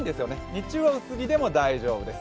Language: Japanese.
日中は薄着でも大丈夫です。